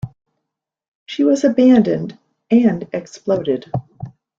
She was abandoned and exploded.